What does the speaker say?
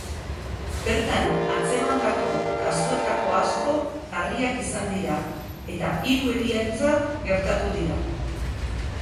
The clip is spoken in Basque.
Bertan atzemandako kasuetako asko larriak izan dira, eta hiru heriotza gertatu dira.